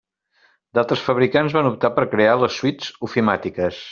D'altres fabricants van optar per crear les suites ofimàtiques.